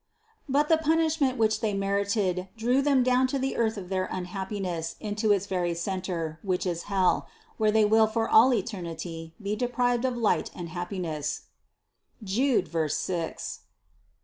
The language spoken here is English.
But the punishment which they merited drew them down to the earth of their unhappiness into its very centre, which is hell, where they will for all eternity be deprived of light and happiness (Jude 6). 105.